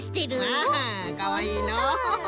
アハかわいいのう。